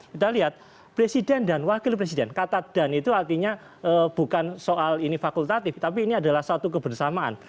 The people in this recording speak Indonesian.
kita lihat presiden dan wakil presiden kata dan itu artinya bukan soal ini fakultatif tapi ini adalah satu kebersamaan